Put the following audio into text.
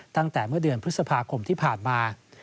ตั้งแต่เมื่อเดือนพฤษภาคมที่ผ่านมา